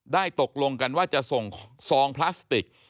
ตกลงกันว่าจะส่งซองพลาสติก